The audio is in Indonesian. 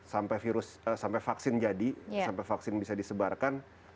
sampai virus sampai vaksin jadi sampai vaksin bisa disebarkan